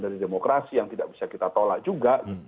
dari demokrasi yang tidak bisa kita tolak juga